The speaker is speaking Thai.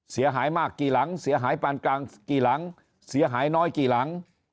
เสียหายมากกี่หลังเสียหายปานกลางกี่หลังเสียหายน้อยกี่หลัง